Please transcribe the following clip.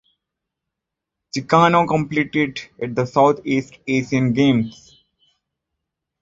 Chicano competed at the Southeast Asian Games.